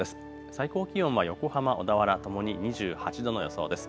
最高気温は横浜、小田原ともに２８度の予想です。